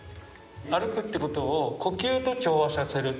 歩くってことを呼吸と調和させる。